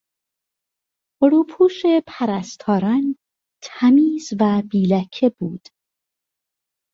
روپوش پرستاران تمیز و بیلکه بود.